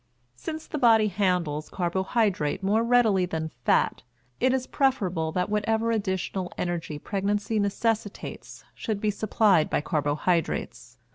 Since the body handles carbohydrate more readily than fat, it is preferable that whatever additional energy pregnancy necessitates should be supplied by carbohydrates.